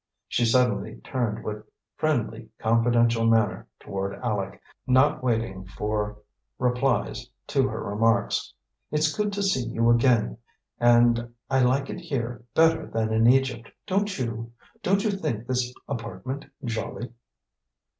She suddenly turned with friendly, confidential manner toward Aleck, not waiting for replies to her remarks. "It's good to see you again! And I like it here better than in Egypt, don't you? Don't you think this apartment jolly?"